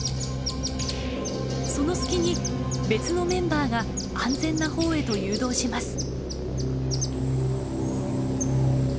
その隙に別のメンバーが安全な方へと誘導します。